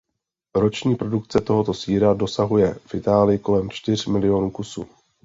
Roční produkce tohoto sýra dosahuje v Itálii kolem čtyř milionu kusů.